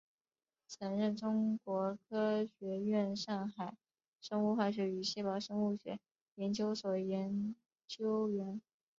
曾任中国科学院上海生物化学与细胞生物学研究所研究员。